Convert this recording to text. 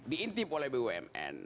diintip oleh bumn